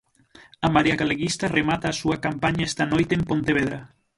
A Marea Galeguista remata a súa campaña esta noite en Pontevedra.